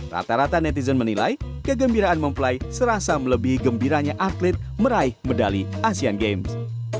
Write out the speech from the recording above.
rata rata netizen menilai kegembiraan mempelai serasa melebihi gembiranya atlet meraih medali asean games